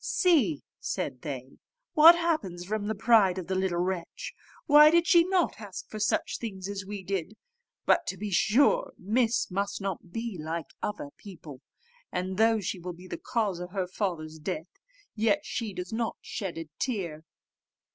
"See," said they, "what happens from the pride of the little wretch; why did not she ask for such things as we did? But, to be sure, Miss must not be like other people; and though she will be the cause of her father's death, yet she does not shed a tear."